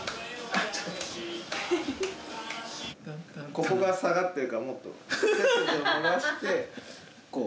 ここが下がってるからもっと背筋を伸ばしてこう。